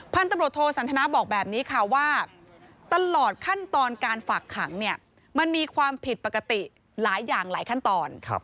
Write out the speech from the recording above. พันธุ์ตำรวจโทสันทนาบอกแบบนี้ค่ะว่าตลอดขั้นตอนการฝากขังเนี่ยมันมีความผิดปกติหลายอย่างหลายขั้นตอน